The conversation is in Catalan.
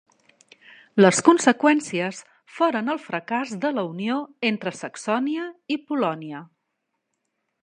Les conseqüències foren el fracàs de la unió entre Saxònia i Polònia.